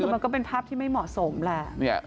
คือมันก็เป็นภาพที่ไม่เหมาะสมแหละ